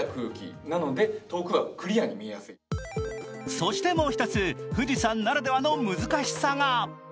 そしてもう一つ、富士山ならではの難しさが。